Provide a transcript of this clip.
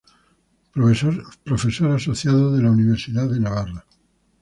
Profesor Asociado de la Universidad de Navarra.